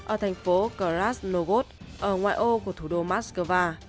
ở thành phố krasnogod ở ngoại ô của thủ đô moscow